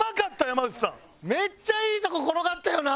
めっちゃいいとこ転がったよな？